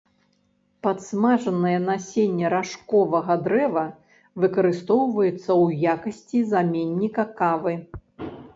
Падсмажанае насенне ражковага дрэва выкарыстоўваецца ў якасці заменніка кавы.